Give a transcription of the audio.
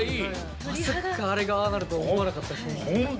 まさかあれが上がるとは思わなかったですね。